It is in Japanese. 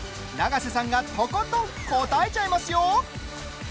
永瀬さんがとことん答えちゃいますよ。